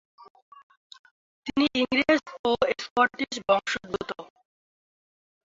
তিনি ইংরেজ ও স্কটিশ বংশোদ্ভূত।